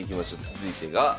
続いてが。